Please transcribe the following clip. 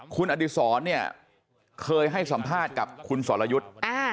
คุณอดิษรเนี่ยเคยให้สัมภาษณ์กับคุณสรยุทธ์